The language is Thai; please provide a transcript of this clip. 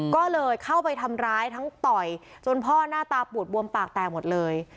ก็เลยเข้าไปทำร้ายทั้งต่อยจนพ่อหน้าตาปูดบวมปากแตกหมดเลย